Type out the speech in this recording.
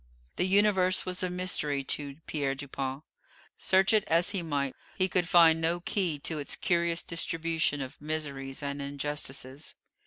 The universe was a mystery to Pierre Dupont. Search it as he might, he could find no key to its curious distribution of miseries and injustices.